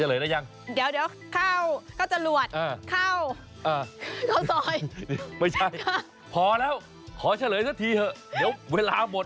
ข้าวซอยเทนแชกข้าวซอยได้ไม๊ใช่พอแล้วขอเฉลยทีเถิดเสมอเวลาหมด